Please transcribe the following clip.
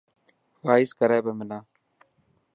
وائس ڪري پيو منا.